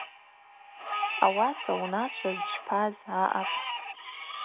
Ауаса унашва зчпаз аъапӏ.